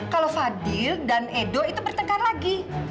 kalau fadil dan edo itu bertengkar lagi